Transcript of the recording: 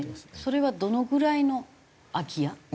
それはどのぐらいの空き家なんですか？